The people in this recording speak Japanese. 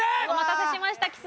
お待たせしました。